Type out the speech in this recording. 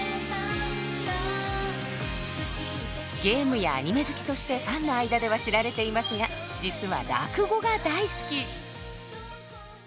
ゲームやアニメ好きとしてファンの間では知られていますが実は落語が大好き！